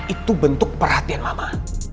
itu bentuk perhatian mama